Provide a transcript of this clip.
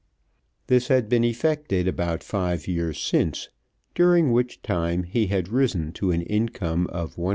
This had been effected about five years since, during which time he had risen to an income of £170.